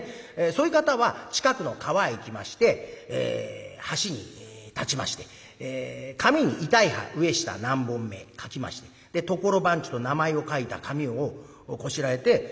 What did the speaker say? そういう方は近くの川へ行きまして橋に立ちまして紙に痛い歯上下何本目書きまして所番地と名前を書いた紙をこしらえてそこに果物の梨ですね